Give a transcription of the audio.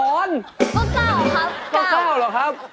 ก็เก้าครับเก้าก็เก้าเหรอครับ